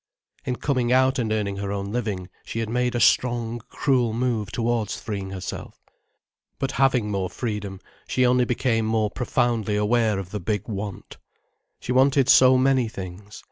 In coming out and earning her own living she had made a strong, cruel move towards freeing herself. But having more freedom she only became more profoundly aware of the big want. She wanted so many things.